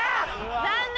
残念！